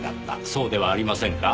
そうではありませんか？